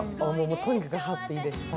とにかくハッピーでした。